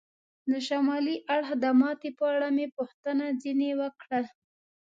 د شمالي اړخ د ماتې په اړه مې پوښتنه ځنې وکړل.